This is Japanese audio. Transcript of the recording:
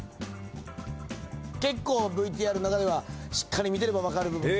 結構ＶＴＲの中ではしっかり見てれば分かる部分も。